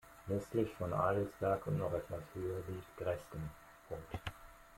Westlich von Adelsberg und noch etwas höher liegt Gresgen.